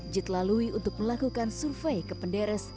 jit lalui untuk melakukan survei ke penderes